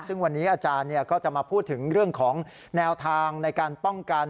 ซึ่งวันนี้อาจารย์ก็จะมาพูดถึงเรื่องของแนวทางในการป้องกัน